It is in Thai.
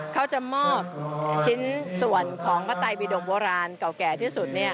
เขาจะมอบชิ้นส่วนของพระไตบิดมโบราณเก่าแก่ที่สุด